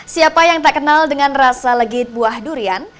siapa yang tak kenal dengan rasa legit buah durian